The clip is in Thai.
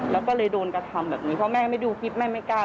แล้วก็เลยโดนกระทำแบบนี้เพราะแม่ไม่ดูคลิปแม่ไม่กล้า